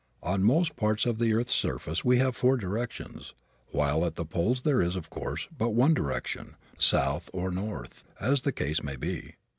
On most parts of the earth's surface we have four directions, while at the poles there is, of course, but one direction south or north, as the case may be.